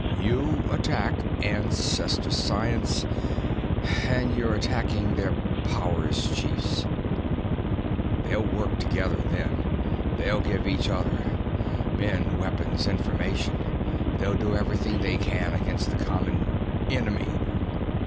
You attack Ancestor science, and you're attacking their power as chiefs. They'll work together then. They'll give each other men, weapons, information. They'll do everything they can against the common enemy.